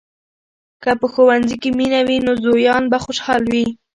که په ښوونځي کې مینه وي، نو زویان به خوشحال وي.